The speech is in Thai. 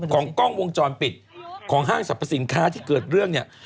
ของกล้องวงจรปิดของห้างสรรพสินค้าที่เกิดเรื่องเนี่ย